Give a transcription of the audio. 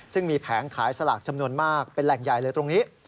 ซึ่งมีแผงขายสลากจำนวนมากเป็นแหล่งใหญ่เลยตรงนี้